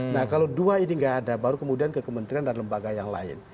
nah kalau dua ini nggak ada baru kemudian ke kementerian dan lembaga yang lain